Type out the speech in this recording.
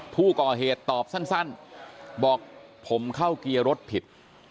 ผู้ก่อเหตุตอบสั้นบอกผมเข้าเกียร์รถผิด